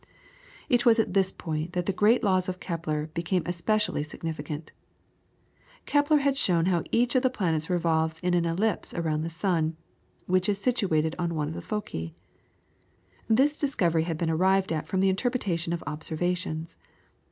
It was at this point that the great laws of Kepler became especially significant. Kepler had shown how each of the planets revolves in an ellipse around the sun, which is situated on one of the foci. This discovery had been arrived at from the interpretation of observations.